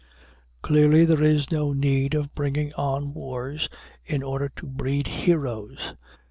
Clearly, there is no need of bringing on wars in order to breed heroes.